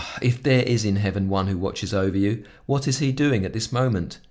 if there is in heaven one who watches over you, what is he doing at this moment?